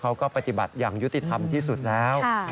ปฏิบัติอย่างยุติธรรมที่สุดแล้ว